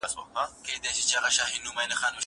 زه اجازه لرم چي بازار ته ولاړ سم!